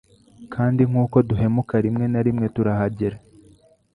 Kandi nkuko duhumeka rimwe na rimwe turahagera